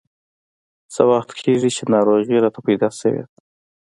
څه وخت کېږي چې ناروغي راته پیدا شوې ده.